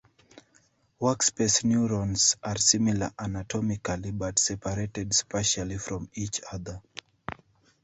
Workspace neurons are similar anatomically but separated spatially from each other.